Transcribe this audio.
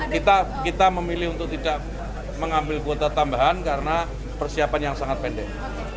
kita memilih untuk tidak mengambil kuota tambahan karena persiapan yang sangat pendek